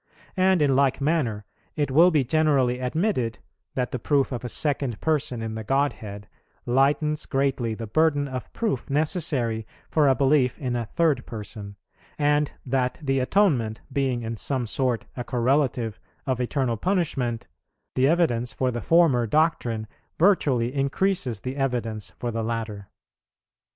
And, in like manner, it will be generally admitted that the proof of a Second Person in the Godhead lightens greatly the burden of proof necessary for belief in a Third Person; and that, the Atonement being in some sort a correlative of eternal punishment, the evidence for the former doctrine virtually increases the evidence for the latter.